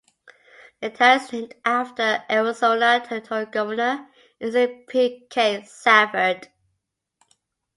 The town is named after Arizona Territorial Governor Anson P. K. Safford.